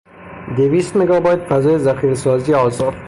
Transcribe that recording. دویست مگابایت فضای ذخیرهسازی آزاد